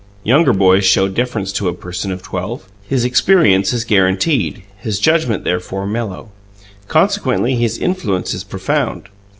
Younger boys show deference to a person of twelve: his experience is guaranteed, his judgment, therefore, mellow; consequently, his influence is profound.